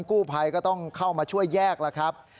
กู้ภัยก็ต้องเข้ามาช่วยแยกแล้วครับ